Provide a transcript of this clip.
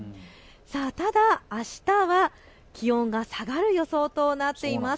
ただ、あしたは気温が下がる予想となっています。